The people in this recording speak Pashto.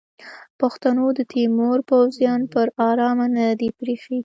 پښتنو د تیمور پوځیان پر ارامه نه دي پریښي.